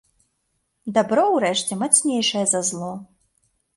Дабро ўрэшце мацнейшае за зло.